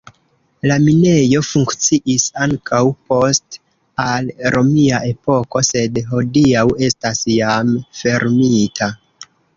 La minejo funkciis ankaŭ post al romia epoko, sed hodiaŭ estas jam fermita.